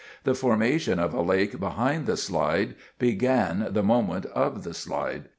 The formation of a lake behind the slide began the moment of the slide.